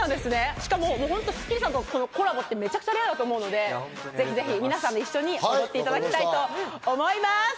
しかも『スッキリ』さんとのコラボってレアだと思うので、ぜひぜひ皆さんで一緒にやっていただきたいと思います。